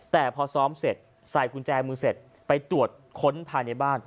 แต่พอซ้อมเสร็จใส่กุญแจมือเสร็จไปตรวจค้นภายในบ้าน